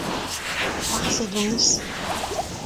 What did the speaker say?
Farset hon eus !